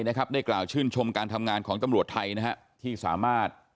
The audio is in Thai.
ให้เขาเข้าใจสถานะของเขา